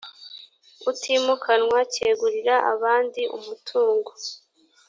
utimukanwa cyegurira abandi umutungo